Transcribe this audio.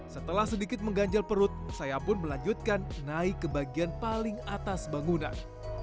setelah sedikit mengganjal perut saya pun melanjutkan naik ke bagian paling atas bangunan